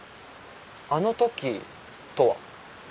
あの時とは？